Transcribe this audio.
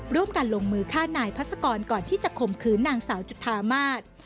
ร่วมกันลงมือฆ่านายพัศกรก่อนที่จะข่มขืนนางสาวจุธามาศ